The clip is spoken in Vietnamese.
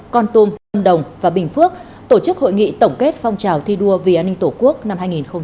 con tôm hồng đồng và bình phước tổ chức hội nghị tổng kết phong trào thi đua vì an ninh tổ quốc năm hai nghìn hai mươi hai